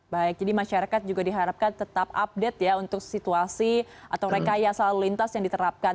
baik jadi masyarakat juga diharapkan tetap update ya untuk situasi atau rekayasa lalu lintas yang diterapkan